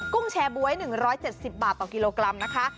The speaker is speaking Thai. ุ้งแชร์บ๊วย๑๗๐บาทต่อกิโลกรัมนะคะ